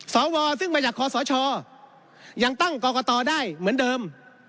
สวซึ่งมาจากคอสชยังตั้งกรกตได้เหมือนเดิม